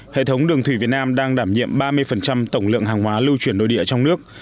hệ thống đường thủy việt nam đang đảm nhiệm ba mươi tổng lượng hàng hóa lưu chuyển nội địa trong nước